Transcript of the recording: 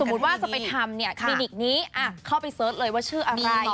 มุติว่าจะไปทำเนี่ยคลินิกนี้เข้าไปเสิร์ชเลยว่าชื่ออะไร